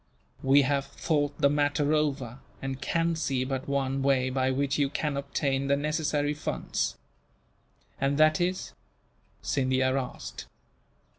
We have thought the matter over, and can see but one way by which you can obtain the necessary funds." "And that is?" Scindia asked.